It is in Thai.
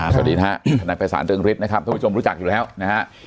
สวัสดีนะฮะทนายภัยศาลเรืองฤทธินะครับท่านผู้ชมรู้จักอยู่แล้วนะฮะ